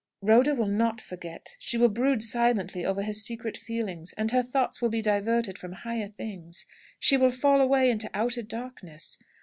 "Rhoda will not forget; she will brood silently over her secret feelings, and her thoughts will be diverted from higher things. She will fall away into outer darkness.